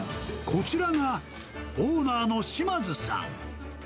こちらがオーナーのしまづさん。